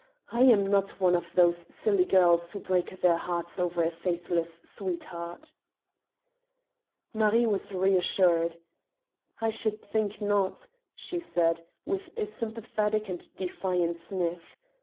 I am not one of those silly girls who break their hearts over a faithless sweetheart." Marie was reassured. "I should think not," she said, with a sympathetic and defiant sniff.